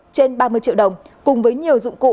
trên ba mươi triệu đồng cùng với nhiều dụng cụ